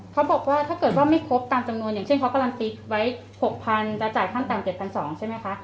เขาบอกว่าถ้าเกิดว่าไม่ครบตามจำนวนอย่างเช่นเขาการันตีไว้๖๐๐๐จะจ่ายขั้นต่ำ๗๒๐๐ใช่ไหมคะ